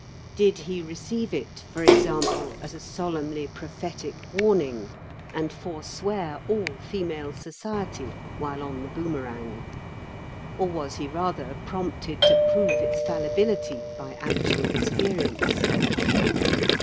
Did he receive it, for example, as a solemnly prophetic warning, and forswear all female society while on the Boomerang f or was he rather prompted to prove its fallibility by actual experience?